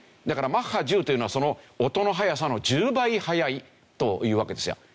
だからマッハ１０というのはその音の速さの１０倍速いというわけですよ。